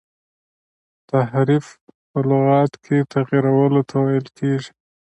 تحریف په لغت کي تغیرولو ته ویل کیږي.